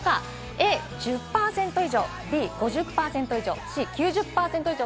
Ａ、１０％以上、Ｂ、５０％以上、Ｃ、９０％以上。